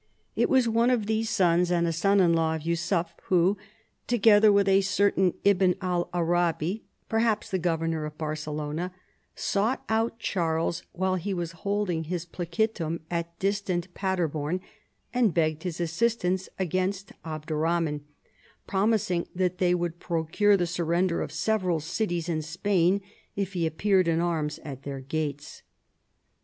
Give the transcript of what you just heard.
It was one of these sons and a son in law of Yussuf who, together with a certain Ibn el Arabi (perhaps the governor of Barcelona), sought out Charles while he was holding hispla citum at distant Paderborn, and begged his assist ance against Abderrahman, promising that the}' would procure the surrender of several cities in Spain if he appeared in arms at their gates.